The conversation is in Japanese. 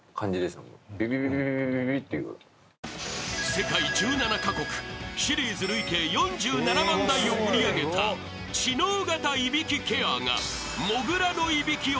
［世界１７カ国シリーズ累計４７万台を売り上げた知能型いびきケアが］